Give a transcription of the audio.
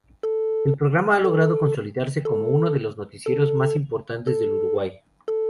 El programa ha logrado consolidarse como uno de los noticieros más importantes del Uruguay.